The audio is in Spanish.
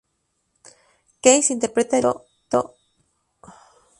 Keys interpreta el distintivo saxofón de la canción y Charlie Watts toca la batería.